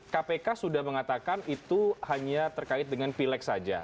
kpk sudah mengatakan itu hanya terkait dengan pileg saja